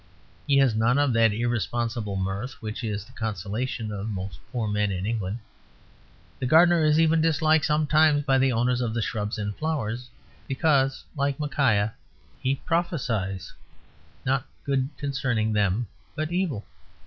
He has none of that irresponsible mirth which is the consolation of most poor men in England. The gardener is even disliked sometimes by the owners of the shrubs and flowers; because (like Micaiah) he prophesies not good concerning them, but evil.